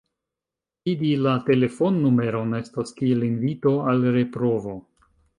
Vidi la telefonnumeron estas kiel invito al reprovo.